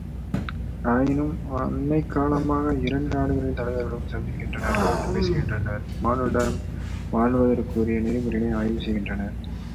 ஆயினும் அண்மைக் காலமாக இரண்டு நாடுகளின் தலைவர்களும் சந்திக்கின்றனர் கலந்து பேசுகின்றனர் மானுடம் வாழ்வதற்குரிய நெறிமுறைகளை ஆய்வு செய்கின்றனர்.